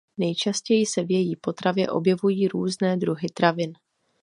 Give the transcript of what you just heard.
Nejčastěji se v její potravě objevují různé druhy travin.